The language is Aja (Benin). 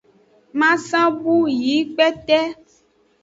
Masan bu yi kpete.